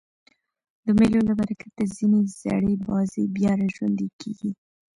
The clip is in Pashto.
د مېلو له برکته ځیني زړې بازۍ بیا راژوندۍ کېږي.